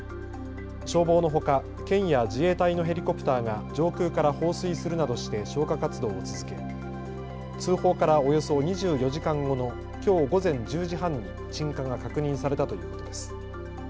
消防のほか県や自衛隊のヘリコプターが上空から放水するなどして消火活動を続け通報からおよそ２４時間後のきょう午前１０時半に鎮火が確認されたということです。